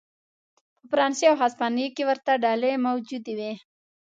په فرانسې او هسپانیې کې ورته ډلې موجود وې.